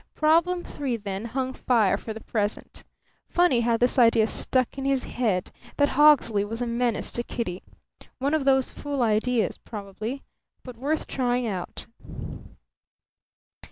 Problem Three, then, hung fire for the present. Funny, how this idea stuck in his head, that Hawksley was a menace to Kitty. One of those fool ideas, probably, but worth trying out.